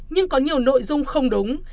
nhưng có nhiều nội dung không đúng